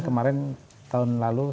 kemarin tahun lalu